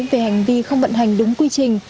về hành vi không vận hành đúng quy trình